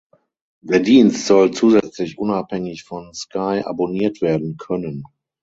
Der Dienst soll zusätzlich unabhängig von Sky abonniert werden können.